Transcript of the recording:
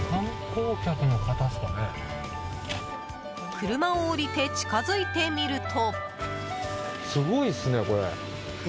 車を降りて近づいてみると。